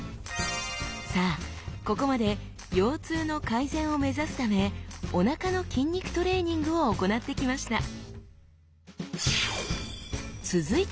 さあここまで腰痛の改善を目指すためおなかの筋肉トレーニングを行ってきましたえ！